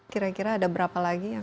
kira kira ada berapa lagi yang